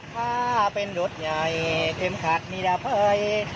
ถ้าเป็นรถใหญ่เข็มขัดนิรภัย